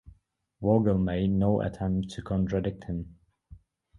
Vogel made no attempt to contradict him.